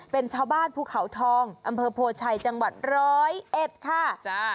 เป็นชาวบ้านภูเขาทองอำเภอโพชัยจังหวัดร้อยเอ็ดค่ะ